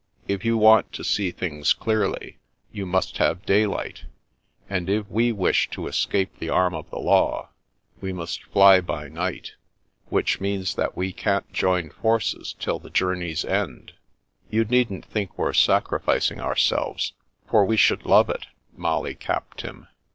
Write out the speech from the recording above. " If you want to see things clearly, you must have daylight, and if we wish to escape the arm of the law, we must fly by night, which means that we can't join forces till the journey's end." " You needn't think we're sacrificing ourselves, for we should love it," Molly capped him.